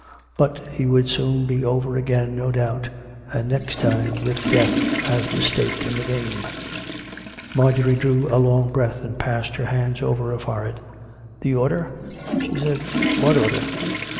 But he would soon be over again, no doubt, and next time with death as the stake in the game. Marjorie drew a long breath, and passed her hands over her forehead. ^" The order.'' " she said. " What order